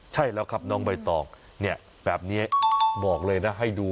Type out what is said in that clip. ใช่แล้วครับน้องใบตองเนี่ยแบบนี้บอกเลยนะให้ดู